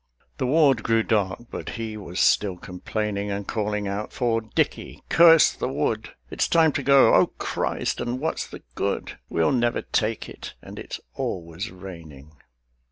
The ward grew dark; but he was still complaining, And calling out for "Dickie." "Curse the Wood! "It's time to go; O Christ, and what's the good? We'll never take it; and it's always raining."